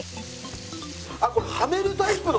あっこれはねるタイプの？